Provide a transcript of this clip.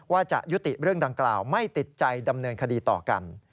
ว่าจะยุติเรื่องดังกล่าวไม่ติดใจดำเนินคดีต่อกัน